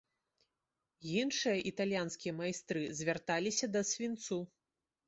Іншыя італьянскія майстры звярталіся да свінцу.